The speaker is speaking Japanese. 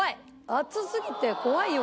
熱すぎて怖いよ